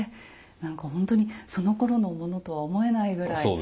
何か本当にそのころのものとは思えないぐらい。